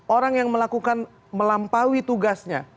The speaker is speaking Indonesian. orang yang melakukan melampaui tugasnya